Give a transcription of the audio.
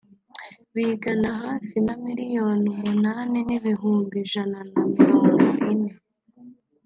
bingana hafi na miliyoni umunani n’ibihumbi ijana na mirongo ine